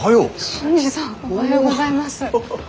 新次さんおはようございます。